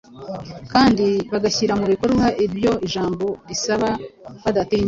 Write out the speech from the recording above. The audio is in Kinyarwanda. kandi bagashyira mu bikorwa ibyo iryo jambo risaba badatinya.